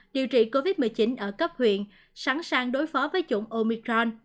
điều trị covid một mươi chín ở cấp huyện sẵn sàng đối phó với chủng omicron